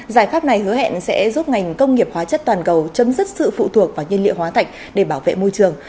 giải pháp này hứa hẹn sẽ giúp ngành công nghiệp hóa chất toàn cầu chấm dứt sự phụ thuộc vào nhiên liệu hóa thạch để bảo vệ môi trường